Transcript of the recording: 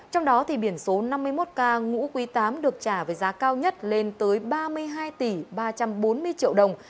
trong đó thì biển số năm mươi một ca ngũ quý tám được trả với giá cao nhất lên tới ba mươi hai tỷ ba trăm bốn mươi triệu đồng